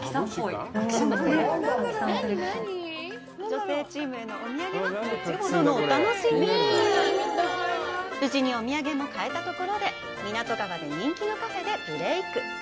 女性チームへのお土産は後ほどのお楽しみに無事にお土産も買えたところで港川で人気のカフェでブレイク